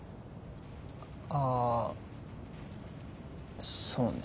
ああそうね。